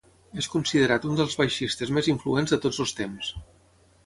És considerat un dels baixistes més influents de tots els temps.